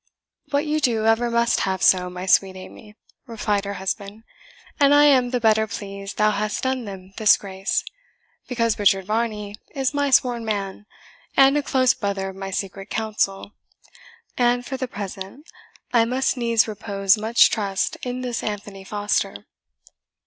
"What you do ever must have so, my sweet Amy," replied her husband; "and I am the better pleased thou hast done them this grace, because Richard Varney is my sworn man, and a close brother of my secret council; and for the present, I must needs repose much trust in this Anthony Foster."